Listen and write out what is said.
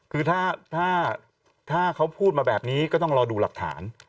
คือถ้าเขาพูดมาแบบนี้ก็ต้องรอดูหลักฐาน